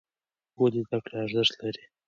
ولې زده کړه ارزښت لري؟